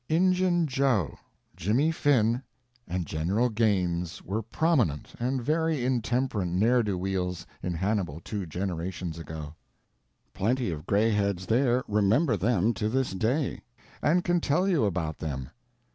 "Injun Joe," "Jimmy Finn," and "General Gaines" were prominent and very intemperate ne'er do weels in Hannibal two generations ago. Plenty of grayheads there remember them to this day, and can tell you about them.